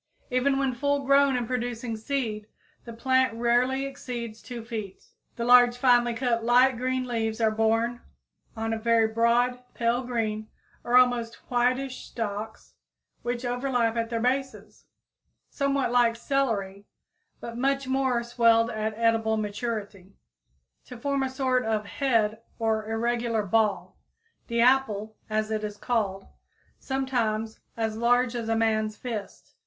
Even when full grown and producing seed, the plant rarely exceeds 2 feet. The large, finely cut, light green leaves are borne on very broad, pale green or almost whitish stalks, which overlap at their bases, somewhat like celery, but much more swelled at edible maturity, to form a sort of head or irregular ball, the "apple," as it is called, sometimes as large as a man's fist.